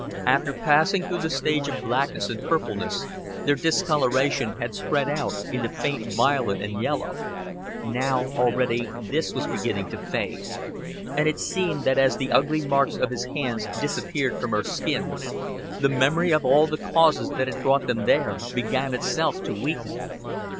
After passing through the stage of blackness and purpleness, their discoloration had spread out into faint violet and yellow; now already this was beginning to fade; and it seemed that as the ugly marks of his hands disappeared from her skin, the memory of all the causes that had brought them there began itself to weaken.